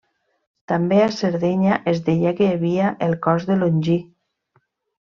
També a Sardenya es deia que hi havia el cos de Longí.